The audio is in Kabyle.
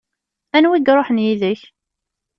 Anwa i iṛuḥen yid-k?